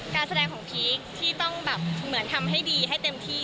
การแสดงของพีคที่ต้องแบบเหมือนทำให้ดีให้เต็มที่